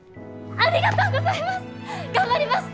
ありがとうございます！